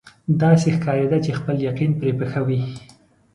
داسې ښکارېده چې خپل یقین پرې پخوي.